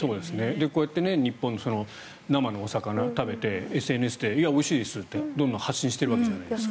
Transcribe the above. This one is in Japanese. こうやって生のお魚食べてＳＮＳでおいしいですと発信しているわけじゃないですか。